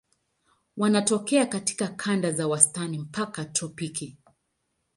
Wanatokea katika kanda za wastani mpaka tropiki.